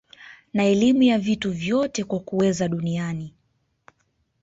na elimu ya vitu vyote kwa kuweza duniani